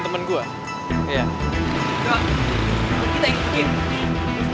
lo semua nyambung